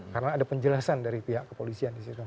karena ada penjelasan dari pihak kepolisian di situ